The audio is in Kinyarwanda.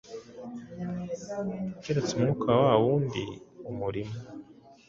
keretse Umwuka wa wa wundi umurimo?